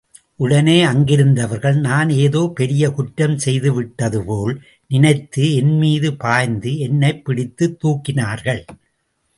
உடனே அங்கிருந்தவர்கள் நான் ஏதோ பெரிய குற்றம் செய்து விட்டதுபோல் நினைத்து என்மீது பாய்ந்து என்னைப் பிடித்துத் தூக்கினார்கள்.